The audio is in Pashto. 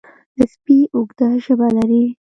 سپي اوږده ژبه لري.